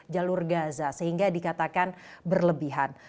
jalur gaza sehingga dikatakan berlebihan